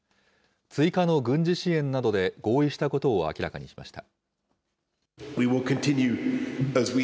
追加の軍事支援などで合意したことを明らかにしました。